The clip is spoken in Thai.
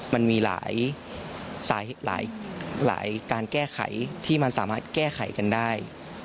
มันมีหลายการแก้ไขที่มันสามารถแก้ไขกันได้